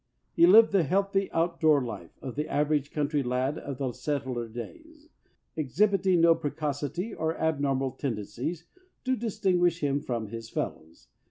He lived the healthy, outdoor life of the average country lad of the settler days, exhibit ing no precocity or abnormal tendencies to dis tinguish him from his fellows.